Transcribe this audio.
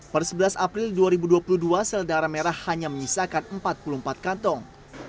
per sebelas april dua ribu dua puluh dua sel darah merah hanya menyisakan empat puluh empat kantong